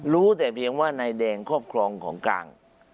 รู้แต่เพียงว่านายแดงครอบครองของกลาง